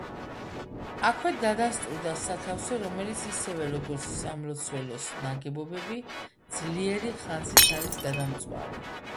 აქვე დადასტურდა სათავსო, რომელიც ისევე როგორც სამლოცველოს ნაგებობები, ძლიერი ხანძრით არის გადამწვარი.